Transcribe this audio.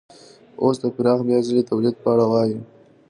اوس د پراخ بیا ځلي تولید په اړه وایو